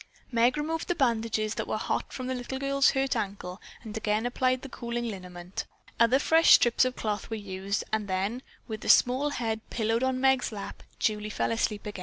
Meg removed the bandages that were hot from the little girl's hurt ankle and again applied the cooling liniment. Other fresh strips of cloth were used and then, with the small head pillowed on Meg's lap, Julie again fell asleep.